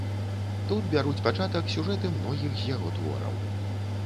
Тут бяруць пачатак сюжэты многіх з яго твораў.